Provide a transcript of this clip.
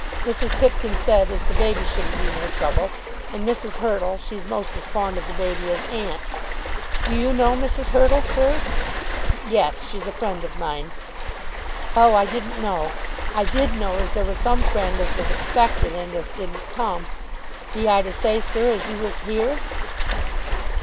Mrs. Pipkin said as the baby shouldn't be no trouble. And Mrs. Hurtle, she's most as fond of the baby as aunt. Do you know Mrs. Hurtle, sir?" "Yes; she's a friend of mine." "Oh; I didn't know. I did know as there was some friend as was expected and as didn't come. Be I to say, sir, as you was here?"